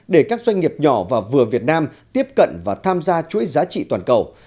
để các doanh nghiệp nhỏ và vừa việt nam tiếp cận và tham gia chuỗi giá trị toàn cầu